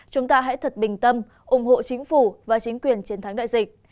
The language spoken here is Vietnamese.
chúng ta hãy thật bình tâm ủng hộ chính phủ và chính quyền chiến thắng đại dịch